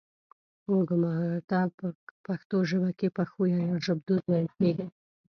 و ګرامر ته په پښتو ژبه کې پښويه يا ژبدود ويل کيږي